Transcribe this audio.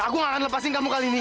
aku gak akan lepasin kamu kali ini